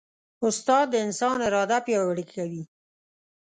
استاد د انسان اراده پیاوړې کوي.